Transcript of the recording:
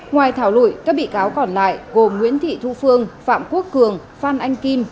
ngoài thảo luận các bị cáo còn lại gồm nguyễn thị thu phương phạm quốc cường phan anh kim